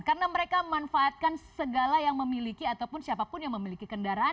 karena mereka memanfaatkan segala yang memiliki ataupun siapapun yang memiliki kendaraan